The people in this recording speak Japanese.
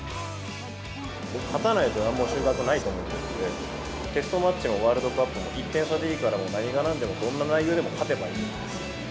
勝たないとなんも収穫ないと思ってるんで、テストマッチもワールドカップも１点差でいいから、何がなんでも、どんな内容でも勝てばいいんです。